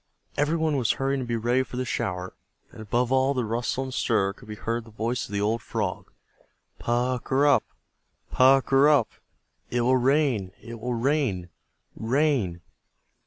Everyone was hurrying to be ready for the shower, and above all the rustle and stir could be heard the voice of the old Frog, "Pukr r rup! Pukr r rup! It will rain! It will rain! R r r rain!"